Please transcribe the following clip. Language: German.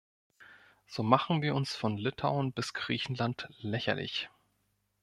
So machen wir uns von Litauen bis Griechenland lächerlich.